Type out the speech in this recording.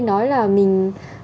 nói là mình